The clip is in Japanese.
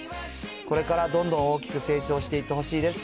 これからどんどん大きく成長していってほしいです。